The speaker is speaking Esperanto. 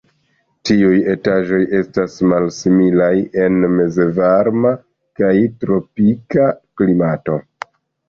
Tiuj etaĝoj estas malsimilaj en mezvarma kaj tropika klimato.